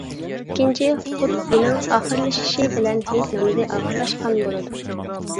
ئىككىنچى خۇتبىنىڭ ئاخىرلىشىشى بىلەن ھېيت نامىزى ئاخىرلاشقان بولىدۇ.